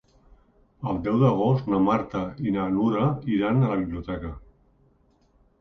El deu d'agost na Marta i na Nura iran a la biblioteca.